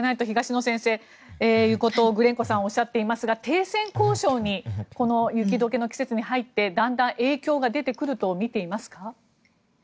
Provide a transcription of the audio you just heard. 東野先生、そういうことをグレンコさんはおっしゃっていますが停戦交渉にこの雪解けの季節に入ってだんだん影響が出てくると見ていますか。